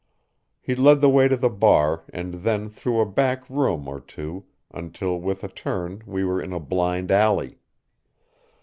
He led the way to the bar and then through a back room or two, until with a turn we were in a blind alley.